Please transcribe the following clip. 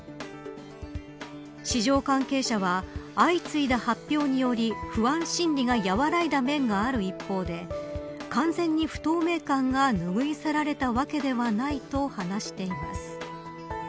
市場関係者は相次いだ発表により不安心理が和らいだ面がある一方で完全に不透明感が拭い去られたわけではないと話しています。